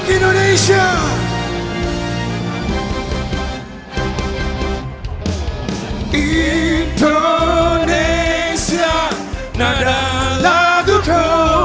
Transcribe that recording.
indonesia nada laguku